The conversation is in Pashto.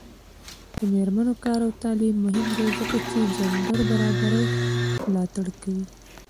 د میرمنو کار او تعلیم مهم دی ځکه چې جنډر برابرۍ ملاتړ کوي.